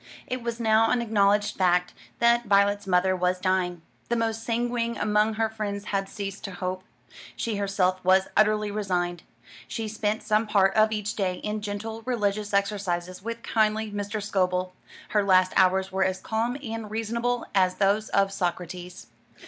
it was now an acknowledged fact that Violet's mother was dying. The most sanguine among her friends had ceased to hope. She herself was utterly resigned. She spent some part of each day in gentle religious exercises with kindly Mr. Scobel. Her last hours were as calm and reasonable as those of Socrates.